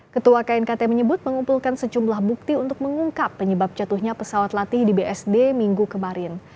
ketua knkt menyebut mengumpulkan sejumlah bukti untuk mengungkap penyebab jatuhnya pesawat latih di bsd minggu kemarin